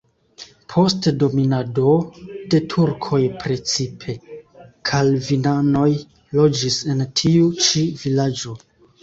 Post dominado de turkoj precipe kalvinanoj loĝis en tiu ĉi vilaĝo.